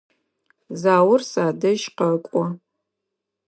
Заур садэжь къэкӏо.